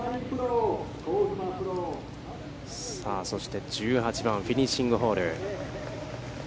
さあ、そして、１８番、フィニッシングホール。